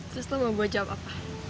seselalu mau gue jawab apa